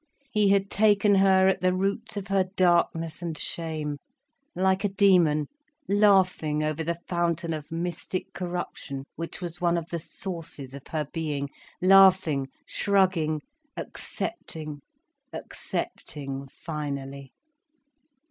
He had taken her at the roots of her darkness and shame—like a demon, laughing over the fountain of mystic corruption which was one of the sources of her being, laughing, shrugging, accepting, accepting finally.